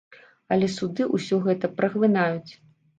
Але суды ўсё гэта праглынаюць.